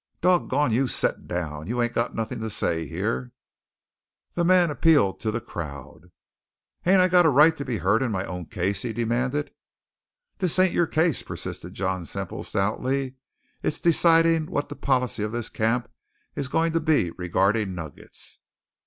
Dog gone you! Set down! You ain't got nothin' to say here." The man appealed to the crowd. "Ain't I got a right to be heard in my own case?" he demanded. "This ain't your case," persisted John Semple stoutly; "it's decidin' what the policy of this camp is goin' to be regardin' nuggets.